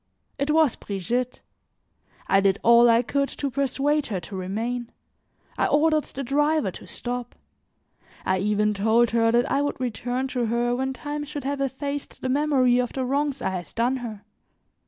It was Brigitte. I did all I could to persuade her to remain; I ordered the driver to stop; I even told her that I would return to her when time should have effaced the memory of the wrongs I had done her.